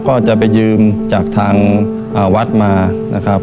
ก็จะไปยืมจากทางวัดมา